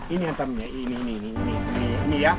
ini yang temennya ini ini ini